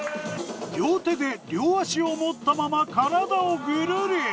両手で両足を持ったままカラダをぐるり！